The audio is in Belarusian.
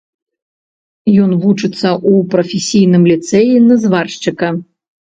Ён вучыцца ў прафесійным ліцэі на зваршчыка.